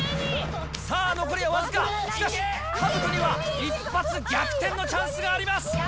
さあ残りは僅か、しかし、かぶとには一発逆転のチャンスがあります。